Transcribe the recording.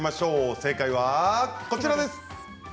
正解はこちらです。